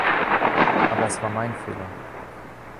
Aber es war mein Fehler.